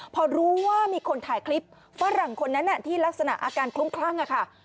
พอรู้ว่ามีคนถ่ายคลิปฝรั่งคนนั้นที่ลักษณะอาการคลุ้มคลั่งค่ะ